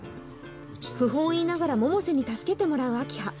不本意ながら百瀬に助けてもらう明葉